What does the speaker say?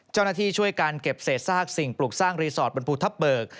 เจ้าหน้าที่ช่วยการเก็บเศษซากสิ่งปลูกสร้างรีสอร์ทบนภูทับเบิก